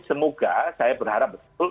semoga saya berharap